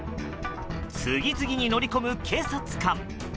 次々に乗り込む警察官。